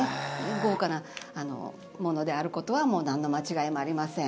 豪華なものであることはもうなんの間違いもありません。